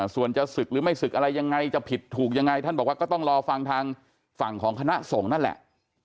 ส่วนจะศึกหรือไม่ศึกอะไรยังไงจะผิดถูกยังไงท่านบอกว่าก็ต้องรอฟังทางฝั่งของคณะส่งนั่นแหละ